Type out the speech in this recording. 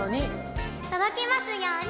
とどきますように。